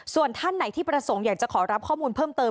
ส่วนท่านไหนที่ประสงค์อยากจะขอรับข้อมูลเพิ่มเติม